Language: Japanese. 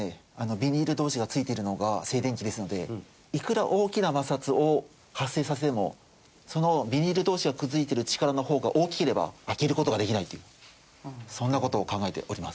ビニール同士がついているのが静電気ですのでいくら大きな摩擦を発生させてもそのビニール同士がくっついてる力の方が大きければ開ける事ができないというそんな事を考えております。